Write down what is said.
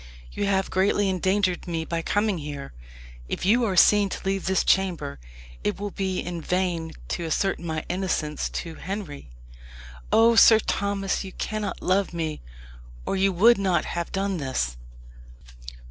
You have greatly endangered me by coming here. If you are seen to leave this chamber, it will be in vain to assert my innocence to Henry. Oh, Sir Thomas! you cannot love me, or you would not have done this."